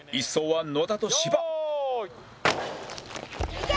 いけ！